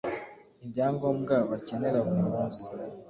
ibyangombwa bakenera buri munsi